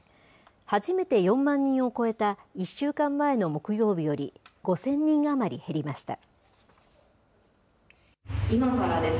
初めて４万人を超えた１週間前の木曜日より５０００人余り減りました。